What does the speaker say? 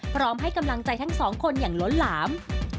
พร้อมให้กำลังใจทั้งสองคนอย่างล้นหลาม